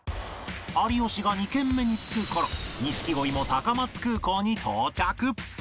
有吉が２軒目に着く頃錦鯉も高松空港に到着